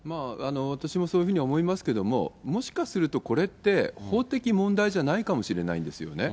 私もそういうふうに思いますけども、もしかするとこれって、法的問題じゃないかもしれないんですよね。